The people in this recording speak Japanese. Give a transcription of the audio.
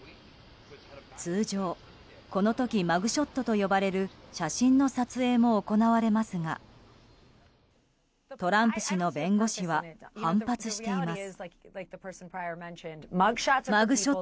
通常、この時マグショットと呼ばれる写真の撮影も行われますがトランプ氏の弁護士は反発しています。